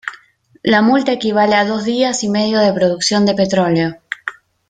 La multa equivale a dos días y medio de producción de petróleo.